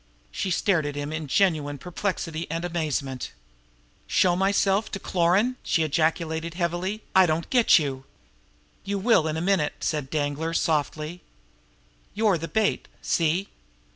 She stared at him in genuine perplexity and amazement. "Show myself to Cloran!" she ejaculated heavily. "I don't get you!" "You will in a minute," said Danglar softly. "You're the bait see?